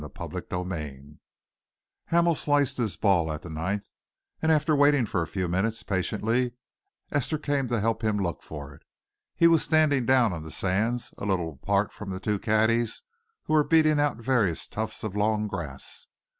CHAPTER XXIII Hamel sliced his ball at the ninth, and after waiting for a few minutes patiently, Esther came to help him look for it. He was standing down on the sands, a little apart from the two caddies who were beating out various tufts of long grass.